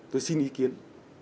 tôi xin ý kiến